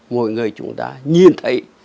mọi người chúng ta nhìn thấy